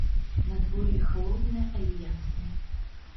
Надвор'е халоднае, але яснае.